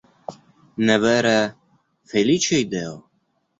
Ne vere, feliĉa ideo?